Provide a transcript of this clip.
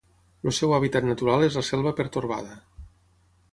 El seu hàbitat natural és la selva pertorbada.